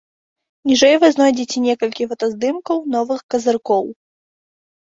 Ніжэй вы знойдзеце некалькі фотаздымкаў новых казыркоў.